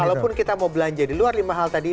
kalaupun kita mau belanja di luar lima hal tadi